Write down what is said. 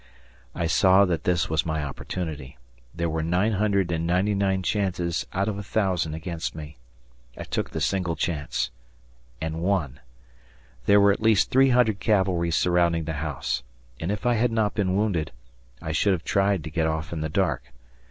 I saw that this was my opportunity. There were nine hundred and ninety nine chances out of a thousand against me. I took the single chance and won. There were at least three hundred cavalry surrounding the house, and, if I had not been wounded, I should have tried to get off in the dark.